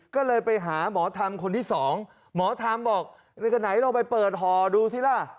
ก็เลยไปหาหมอธรรมคนที่สองหมอธรรมบอกไหนลองไปเปิดห่อดูสิล่ะ